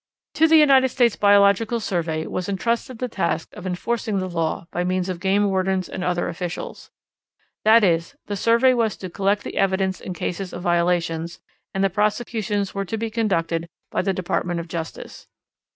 To the United States Biological Survey was intrusted the task of enforcing the law by means of game wardens and other officials. That is, the survey was to collect the evidence in cases of violations, and the prosecutions were to be conducted by the Department of Justice.